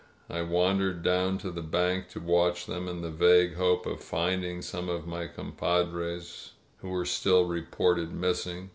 I wandered down to the 3bank to watch them, in the vague hope of finding some of my compadres who were still reported missing.